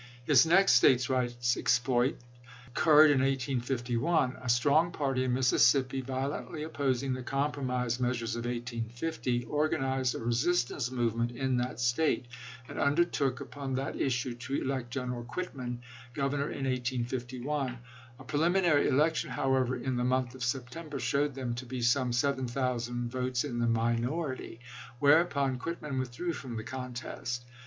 His next States rights exploit occurred in 1851. A strong party in Mississippi, violently opposing the compromise measures of 1850, organized a re sistance movement in that State, and undertook upon that issue to elect General Quitman governor in 1851. A preliminary election, however, in the month of September, showed them to be some seven thousand votes in the minority ; whereupon Quitman withdrew from the contest.